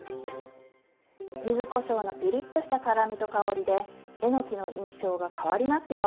ゆずこしょうのピリッとした辛みと香りでえのきの印象が変わりますよ。